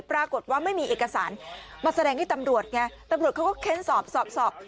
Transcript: ปรากฏว่าไม่มีเอกสารมาแสดงให้ตำรวจไงตำรวจเขาก็เค้นสอบสอบ